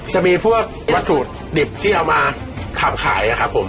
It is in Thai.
จะมีพวกวัตถุดิบที่เอามาทำขายครับผม